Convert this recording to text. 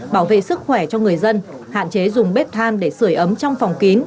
bảo vệ sức khỏe cho người dân hạn chế dùng bếp than để sửa ấm trong phòng kín